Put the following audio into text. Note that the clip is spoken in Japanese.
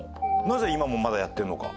なぜ今もまだやってるのか？